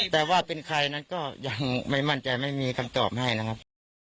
แต่ว่าเป็นใครนั้นก็ยังไม่มั่นใจไม่มีคำตอบให้นะครับ